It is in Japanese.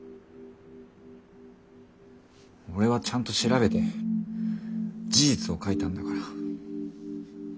俺はちゃんと調べて事実を書いたんだから。